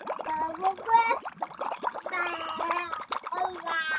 قطبي خرس سپین رنګ لري